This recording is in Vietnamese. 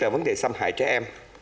vấn đề xâm hại trẻ em